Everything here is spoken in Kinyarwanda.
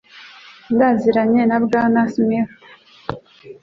Ndaziranye na Bwana Smith.